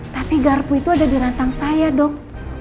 tapi garpu itu ada di rantang saya dok